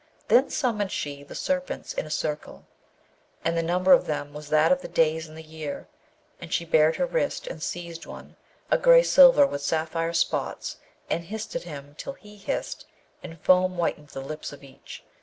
Then summoned she the serpents in a circle, and the number of them was that of the days in the year: and she bared her wrist and seized one, a gray silver with sapphire spots, and hissed at him till he hissed, and foam whitened the lips of each.